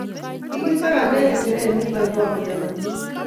kikisakane ng'echeret nito bakoyande